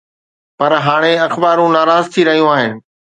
پر هاڻي اخبارون ناراض ٿي رهيون آهن.